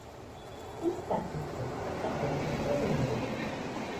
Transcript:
Jɨkadɨkue, iadedɨ jeruide